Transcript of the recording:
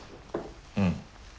うん。